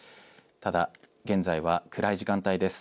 ただ、現在は暗い時間帯です。